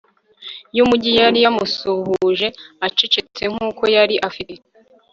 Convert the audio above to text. y'umujyi. yari yamusuhuje acecetse nk'uko yari afite